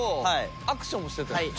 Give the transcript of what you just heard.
アクションもしてたよね。